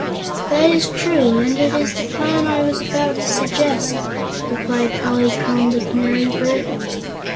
"That is true, and it is the plan I was about to suggest," replied Polychrome the Canary Bird.